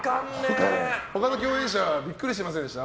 他の共演者ビックリしませんでした？